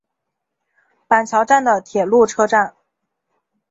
板桥站的铁路车站。